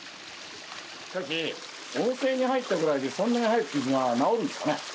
しかし温泉に入ったぐらいでそんなに早く傷が治るんですかね？